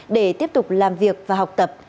để tiếp tục làm việc và học tập